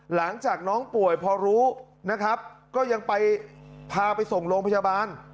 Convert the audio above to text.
หลังจากน้องป่วยพอรู้นะครับก็ยังไปพาไปส่งโรงพยาบาล